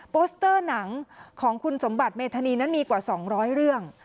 โสเตอร์หนังของคุณสมบัติเมธานีนั้นมีกว่า๒๐๐เรื่อง